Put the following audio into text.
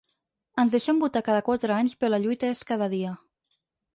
Ens deixen votar cada quatre anys però la lluita és cada dia.